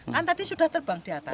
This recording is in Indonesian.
kan tadi sudah terbang di atas